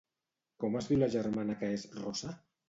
Com es diu la germana que és rossa?